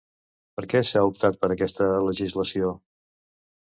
Per què s'ha optat per aquesta legislació?